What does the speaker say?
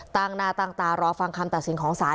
ต่างนาต่างตารอฟังคำตัดสินของศาสตร์